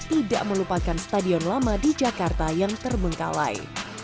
tidak melupakan stadion lama di jakarta yang terbengkalai